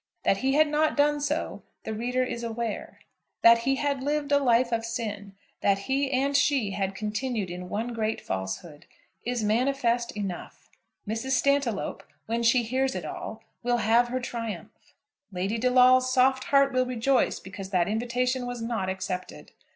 That he had not done so the reader is aware. That he had lived a life of sin, that he and she had continued in one great falsehood, is manifest enough. Mrs. Stantiloup, when she hears it all, will have her triumph. Lady De Lawle's soft heart will rejoice because that invitation was not accepted.